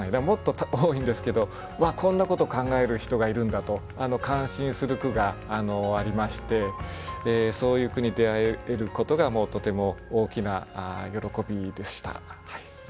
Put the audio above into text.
もっと多いんですけどわっこんなこと考える人がいるんだと感心する句がありましてそういう句に出会えることがとても大きな喜びでした。